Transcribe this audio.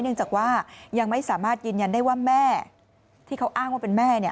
เนื่องจากว่ายังไม่สามารถยืนยันได้ว่าแม่ที่เขาอ้างว่าเป็นแม่เนี่ย